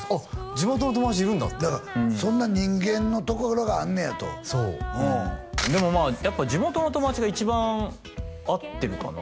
地元の友達いるんだってだからそんな人間のところがあんねやとそうでもまあやっぱ地元の友達が一番会ってるかな